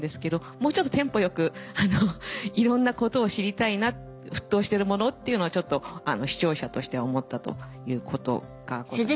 もうちょっとテンポ良くいろんなことを知りたいな沸騰してるものっていうのは視聴者としては思ったということがございます。